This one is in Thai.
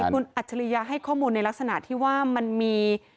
คุณอัจฉริยะให้ข้อมูลในลักษณะที่ว่ามันมี